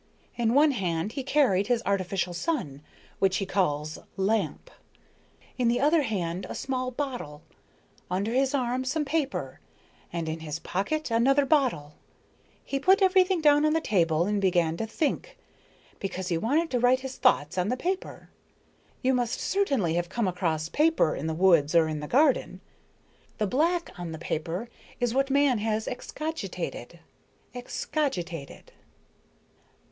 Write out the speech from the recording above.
In one hand he carried his artificial sun, which he calls lamp, in the other hand a small bottle, under his arm some paper, and in his pocket another bottle. He put everything down on the table and began to think, because he wanted to write his thoughts on the paper. You must certainly have come across paper in the woods or in the garden. The black on the paper is what man has excogitated excogitated."